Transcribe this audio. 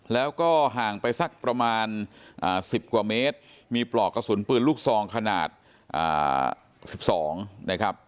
แล้วก็ห่างไปสักประมาณ๑๐กว่าเมตรมีปลอกกระสุนปืนลูกซองขนาด๑๒นะครับ